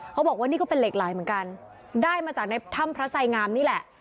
เขาบอกว่านี่ก็เป็นเหล็กไหลเหมือนกันได้มาจากในถ้ำพระไสงามนี่แหละ